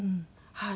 はい。